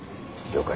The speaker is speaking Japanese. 了解。